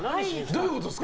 どういうことですか。